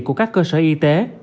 của các cơ sở y tế